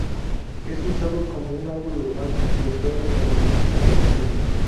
Es usado como árbol urbano, y empleado en la medicina alternativa.